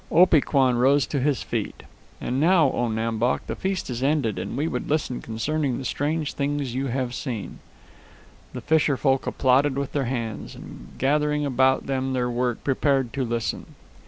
Opee Kwan rose to his feet. "And now, O Nam Bok, the feast is ended, and we would listen concerning the strange things you have seen." The fisherfolk applauded with their hands, and gathering about them their work, prepared to listen.